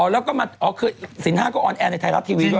แล้วก็มาสินห้าก็ออนแอร์ในไทยรัฐทีวีด้วย